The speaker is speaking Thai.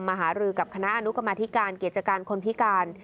หารือกับคณะอนุกรรมธิการกิจการคนพิการ